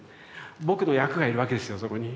僕の役がいるわけですよそこに。